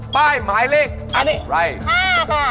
ป้ายหมายเลขอันนี้๕ค่ะ